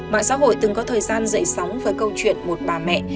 mạng xã hội từng có thời gian dậy sóng với câu chuyện một bà mẹ